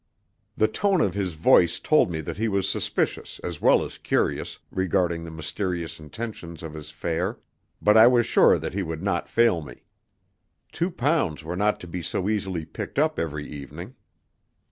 The tone of his voice told me that he was suspicious, as well as curious, regarding the mysterious intentions of his fare; but I was sure that he would not fail me. Two pounds were not to be so easily picked up every evening.